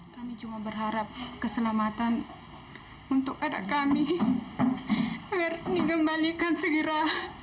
kami cuma berharap keselamatan untuk ada kami biar dikembalikan segera